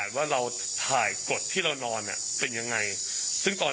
นี่นี่นี่นี่นี่นี่